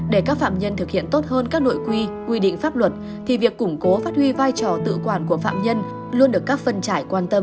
để các phạm nhân thực hiện tốt hơn các nội quy quy định pháp luật thì việc củng cố phát huy vai trò tự quản của phạm nhân luôn được các phân trải quan tâm